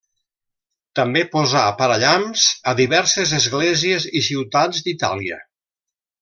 També posà parallamps a diverses esglésies i ciutats d'Itàlia.